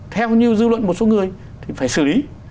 theo như dư luận một số người thì phải xử lý